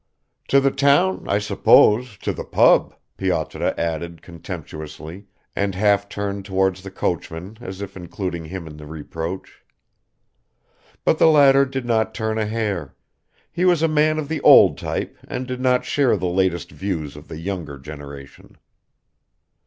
"To the town, I suppose to the pub," Pyotr added contemptuously, and half turned towards the coachman as if including him in the reproach. But the latter did not turn a hair; he was a man of the old type and did not share the latest views of the younger generation.